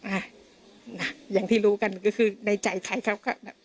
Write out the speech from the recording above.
อ่าอย่างที่รู้กันก็คือในใจใครครับ